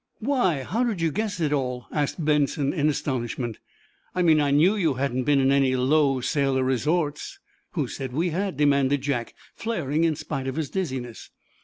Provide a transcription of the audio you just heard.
"Why, how did you guess it all?" asked Benson, in astonishment. "I mean, I knew you hadn't been in any low sailor resorts." "Who said we had?" demanded Jack, flaring in spite of his dizziness.